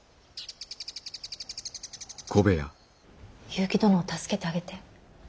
結城殿を助けてあげて。